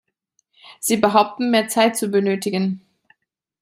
Sie behaupten, mehr Zeit zu benötigen.